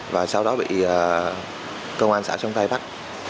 và sau đó bị cơ quan xã sông rây bắt